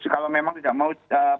kalau memang tidak mau